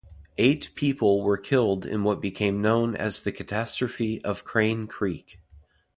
Eight people were killed in what became known as the Catastrophe of Crane Creek.